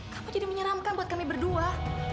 kamu jadi menyeramkan buat kami berdua